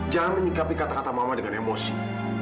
jangan menyikapi kata kata mama dengan emosi